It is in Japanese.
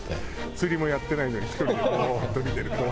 釣りもやってないのに１人でボーッと見てるから。